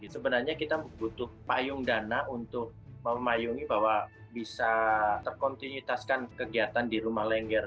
sebenarnya kita butuh payung dana untuk memayungi bahwa bisa terkontinuitaskan kegiatan di rumah lengger